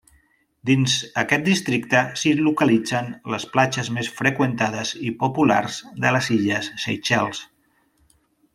Dins aquest districte s'hi localitzen les platges més freqüentades i populars de les illes Seychelles.